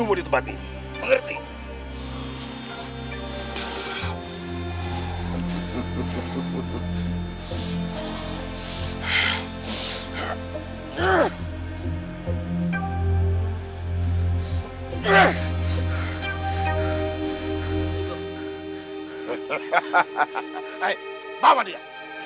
hai bawa dia